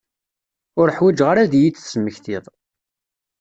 Ur ḥwiǧeɣ ara ad iyi-d-tesmektiḍ.